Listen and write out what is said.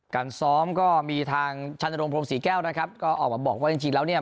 การซ้อมก็มีทางชันนรงพรมศรีแก้วนะครับก็ออกมาบอกว่าจริงจริงแล้วเนี่ย